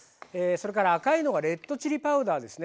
それから赤いのがレッドチリパウダーですね。